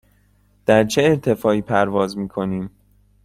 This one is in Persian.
در چه ارتفاعی پرواز می کنیم؟